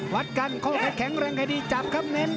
วัดกันข้อใครแข็งแรงใครดีจับครับเน้น